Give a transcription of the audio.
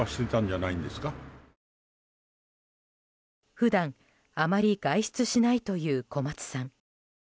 普段あまり外出しないという小松さん。